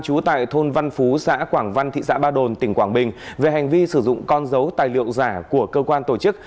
trú tại thôn văn phú xã quảng văn thị xã ba đồn tỉnh quảng bình về hành vi sử dụng con dấu tài liệu giả của cơ quan tổ chức